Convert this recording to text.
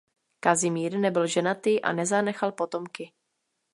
Kazimír nebyl ženatý a nezanechal potomky.